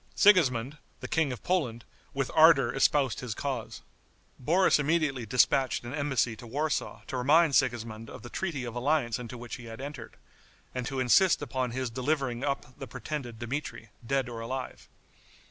Sigismond, the King of Poland, with ardor espoused his cause. Boris immediately dispatched an embassy to Warsaw to remind Sigismond of the treaty of alliance into which he had entered, and to insist upon his delivering up the pretended Dmitri, dead or alive.